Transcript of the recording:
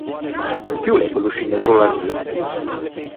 Chi o l’é quello scignoro lazù?